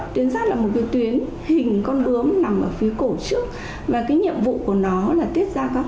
tuyến giáp là một tuyến hình con bướm nằm ở phía cổ trước và nhiệm vụ của nó là tiết ra các hoạt động